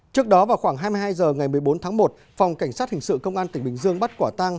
trước đó vào khoảng hai mươi hai h ngày một mươi bốn tháng một phòng cảnh sát hình sự công an tỉnh bình dương bắt quả tang